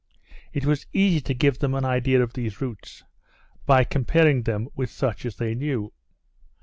It was easy to give them an idea of these roots, by comparing them with such as they knew.